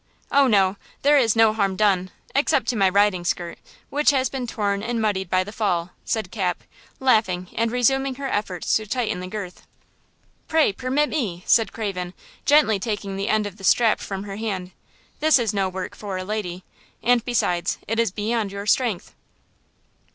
"Oh, no; there is no harm done, except to my riding skirt, which has been torn and muddied by the fall," said Cap, laughing and resuming her efforts to tighten the girth. "Pray permit me," said Craven, gently taking the end of the strap from her hand; "this is no work for a lady, and, besides, is beyond your strength."